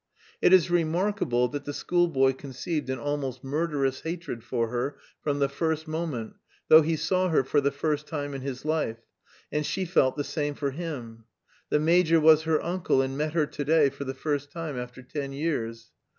It is remarkable that the schoolboy conceived an almost murderous hatred for her from the first moment, though he saw her for the first time in his life; and she felt the same for him. The major was her uncle, and met her to day for the first time after ten years.